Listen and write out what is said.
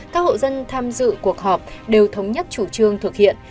các hộ dân tham dự cuộc họp đều thống nhất chủ trương thực hiện